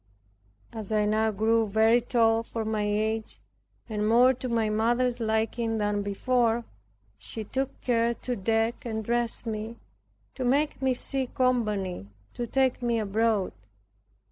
As I now grew very tall for my age, and more to my mother's liking than before, she took care to deck and dress me, to make me see company, and to take me abroad.